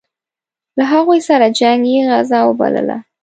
له هغوی سره جنګ یې غزا وبلله.